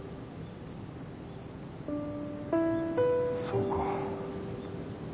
そうか。